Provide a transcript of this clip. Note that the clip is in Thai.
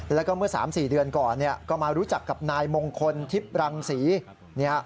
แล้วก็เมื่อ๓๔เดือนก่อนก็มารู้จักกับนายมงคลทิพย์รังศรี